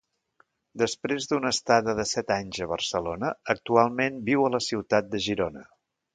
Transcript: Després d'una estada de set anys a Barcelona, actualment viu a la ciutat de Girona.